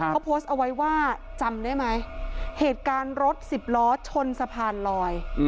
เขาโพสต์เอาไว้ว่าจำได้ไหมเหตุการณ์รถสิบล้อชนสะพานลอย